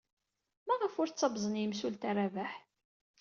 Maɣef ur ttabẓen yemsulta Rabaḥ?